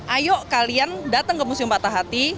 ayo kalian datang ke museum patah hati